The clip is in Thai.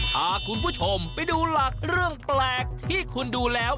พาคุณผู้ชมไปดูหลักเรื่องแปลกที่คุณดูแล้ว